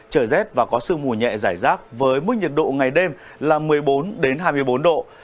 trời rét và có sương mù nhẹ giải rác với mức nhiệt độ ngày đêm là một mươi bốn hai mươi bốn độ